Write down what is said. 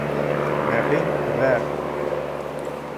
Нәғим ғәр.